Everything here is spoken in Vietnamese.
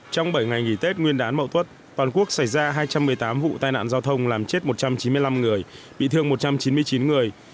trong bảy ngày nghỉ tết nguyên đán mậu tuất toàn quốc xảy ra hai trăm một mươi tám vụ tai nạn giao thông làm chết một trăm chín mươi năm người bị thương một trăm chín mươi chín người